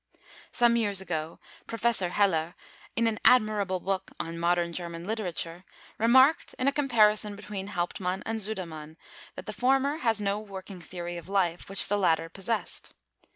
Some years ago, Professor Heller, in an admirable book on Modern German Literature, remarked, in a comparison between Hauptmann and Sudermann, that the former has no working theory of life, which the latter possessed.